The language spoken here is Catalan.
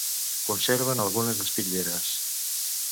Conserven algunes espitlleres.